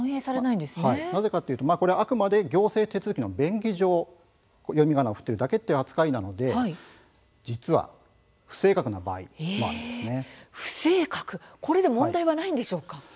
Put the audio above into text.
なぜかというとこれはあくまで行政手続きの便宜上読みがなを振っているだけという扱いなので実はこれで問題はないんでしょうか。